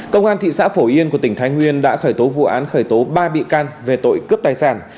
công an thị xã phổ yên của tỉnh thái nguyên đã khởi tố vụ án khởi tố ba bị can về tội cướp tài sản